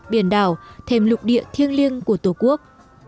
biển đảo thêm lục địa thiêng liêng của tổ quốc